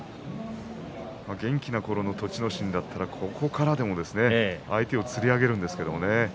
元気なころの栃ノ心だったらここからでも相手をつり上げるんですけれどもね。